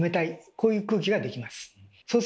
こういう空気が出来ます。